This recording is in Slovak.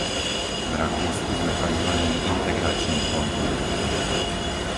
V Rakúsku sme takzvaní integrační konzumenti.